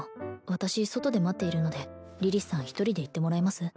私外で待っているのでリリスさん１人で行ってもらえます？